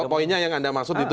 poinnya yang anda maksud itu